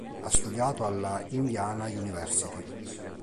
Ha studiato alla Indiana University.